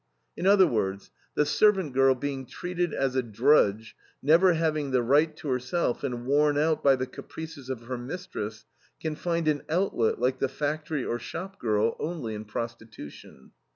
In other words, the servant girl, being treated as a drudge, never having the right to herself, and worn out by the caprices of her mistress, can find an outlet, like the factory or shopgirl, only in prostitution.